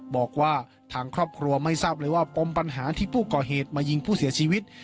บอกว่าทางครอบครัวไม่ทราบเลยว่าปมปัญหาที่ผู้ก่อเหตุมายิงผู้เสียชีวิต